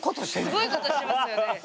すごいことしてますよね。